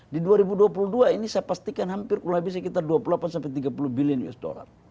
di dua ribu dua puluh dua ini saya pastikan hampir kurang lebih sekitar dua puluh delapan sampai tiga puluh billion usd